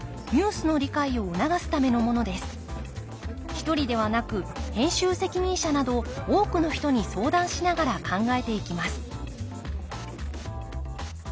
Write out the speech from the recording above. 一人ではなく編集責任者など多くの人に相談しながら考えていきます